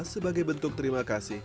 sebagai bentuk terima kasih